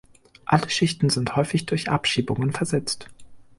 Alle Schichten sind häufig durch Abschiebungen versetzt.